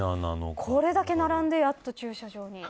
これだけ並んでやっと駐車場に。